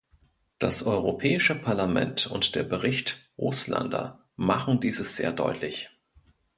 Das Europäische Parlament und der Bericht Oostlander machen dieses sehr deutlich.